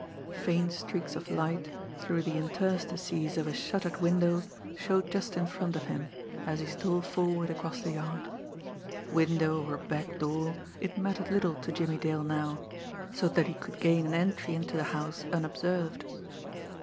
Faint streaks of light through the interstices of a shuttered window showed just in front of him, as he stole forward across the yard. Window or back door, it mattered little to Jimmie Dale now, so that he could gain an entry into the house unobserved.